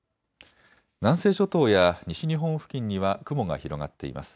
南西諸島や西日本付近には雲が広がっています。